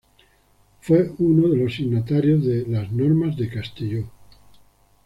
Fue uno de los signatarios de las Normas de Castelló.